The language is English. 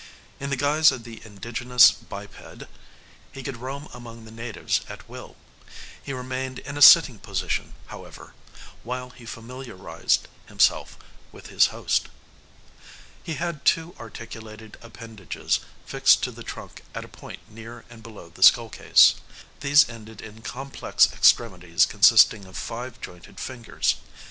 In the guise of the indigenous biped he could roam among the natives at will. He remained in a sitting position, however, while he familiarized himself with his host. He had two articulated appendages fixed to the trunk at a point near and below the skull case. These ended in complex extremities consisting of five jointed fingers.